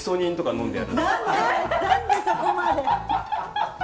何で何でそこまで！